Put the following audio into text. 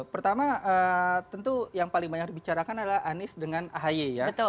pertama tentu yang paling banyak dibicarakan adalah anies dengan ahy ya